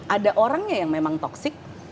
ada orangnya yang memang toxic